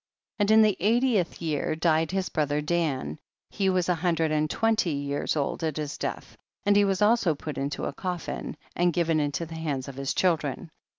2. And in the eightieth year died his brother Dan ; he was a hundred and twenty years old at his death, and he was also put into a cofliin and given into the hands of his children.